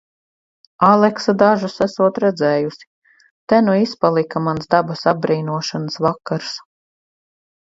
Aleksa dažas esot redzējusi... Te nu izpalika mans dabas apbrīnošanas vakars.